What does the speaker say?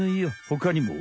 ほかにも。